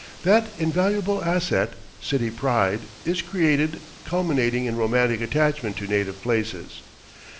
That invaluable asset, city pride, is created, culminating in romantic attachment to native places.